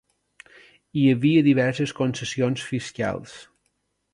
Hi havia diverses concessions fiscals.